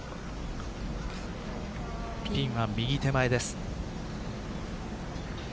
ピンは右手前です。